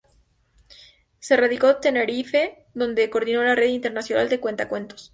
Se radicó Tenerife, donde coordinó la Red Internacional de Cuentacuentos.